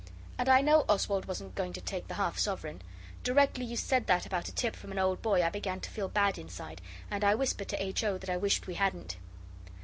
And I know Oswald wasn't going to take the half sovereign. Directly you said that about a tip from an old boy I began to feel bad inside, and I whispered to H. O. that I wished we hadn't.